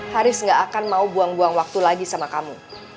haris gak akan mau buang buang waktu lagi sama kamu